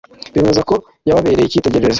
bemeza ko yababereye icyitegererezo